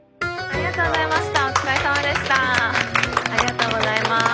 ありがとうございます。